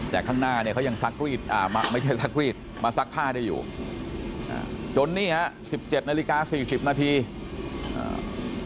แต่ข้างหน้าเนี่ยเขายังซักรีดอ่ามาไม่ใช่ซักรีดมาซักผ้าได้อยู่อ่าจนนี่ฮะสิบเจ็ดนาฬิกาสี่สิบนาทีอ่า